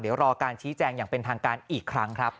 เดี๋ยวรอการชี้แจงอย่างเป็นทางการอีกครั้งครับ